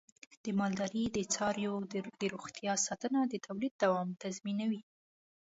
د مالدارۍ د څارویو د روغتیا ساتنه د تولید دوام تضمینوي.